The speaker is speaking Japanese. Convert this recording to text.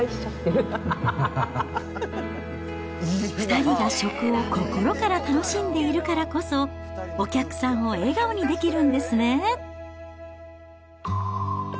２人が食を心から楽しんでいるからこそ、お客さんを笑顔にできるんですね。